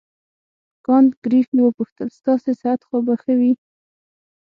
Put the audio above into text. کانت ګریفي وپوښتل ستاسې صحت خو به ښه وي.